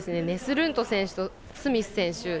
ネスルント選手とスミス選手